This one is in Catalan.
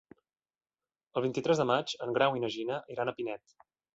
El vint-i-tres de maig en Grau i na Gina iran a Pinet.